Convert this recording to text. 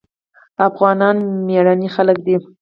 افغانان مېړني خلک دي.